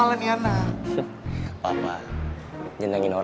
tidak ada yang ingin mencoba